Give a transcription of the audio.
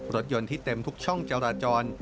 รถยนต์ที่เต็มทุกช่องจราจร